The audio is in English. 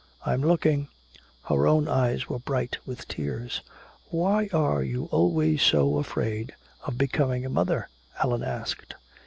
"I'm looking " Her own eyes were bright with tears. "Why are you always so afraid of becoming a mother?" Allan asked.